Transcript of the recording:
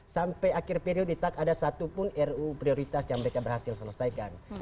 sampai akhir periodi tak ada satu pun ru prioritas yang mereka berhasil selesaikan